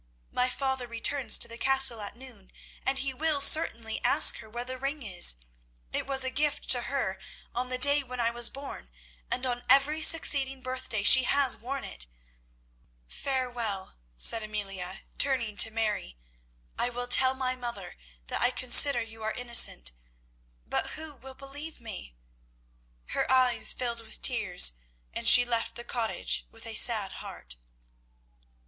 My father returns to the Castle at noon, and he will certainly ask her where the ring is. It was a gift to her on the day when I was born, and on every succeeding birthday she has worn it. Farewell," said Amelia, turning to Mary, "I will tell my mother that I consider you are innocent, but who will believe me?" Her eyes filled with tears, and she left the cottage with a sad heart.